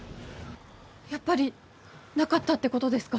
やっぱりなかったってことですか？